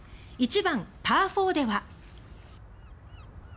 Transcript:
１番、パー４では。